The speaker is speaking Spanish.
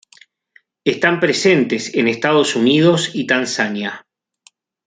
Están presentes en Estados Unidos y Tanzania.